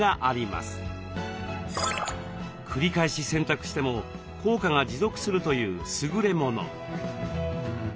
繰り返し洗濯しても効果が持続するというすぐれもの。